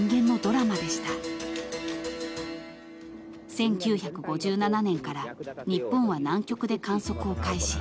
［１９５７年から日本は南極で観測を開始］